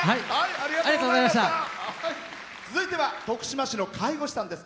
続いては徳島の介護士さんです。